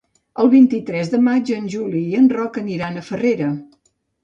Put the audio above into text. El vint-i-tres de maig en Juli i en Roc aniran a Farrera.